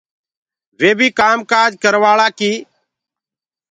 وي بيٚ ڪآم ڪآج ڪروآݪآ ڪي